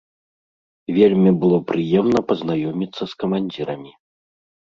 Вельмі было прыемна пазнаёміцца з камандзірамі.